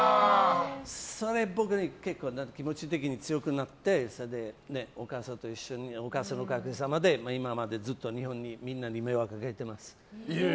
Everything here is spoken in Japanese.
それで僕、気持ち的に強くなってお母さんと一緒におかげさまで今までずっと日本でみんなに迷惑かけてます。